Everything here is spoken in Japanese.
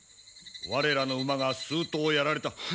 我らの馬が数頭やられた。